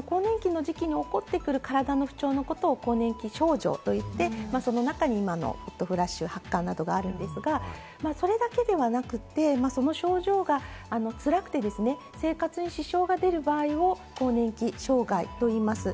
ただこの更年期の時期に起こってくる体の不調のことを更年期症状と言って、その中に今のホットフラッシュ、発汗などがあるんですが、それだけではなくて、その症状がつらくてですね、生活に支障が出る場合を更年期障害と言います。